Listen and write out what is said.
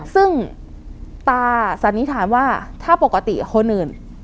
ซึ่งตาสันนิษฐานว่าถ้าปกติคนอื่น